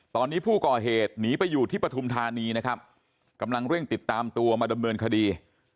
ตอนนี้ผู้ก่อเหตุหนีไปอยู่ที่ปฐุมธานีนะครับกำลังเร่งติดตามตัวมาดำเนินคดี